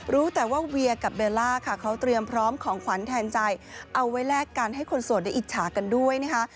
รู้แต่ว่าเวียกับเบลล่าค่ะเขาเตรียมพร้อมของขวัญแทนใจเอาไว้แลกกันให้คนโสดได้อิจฉากันด้วยนะคะ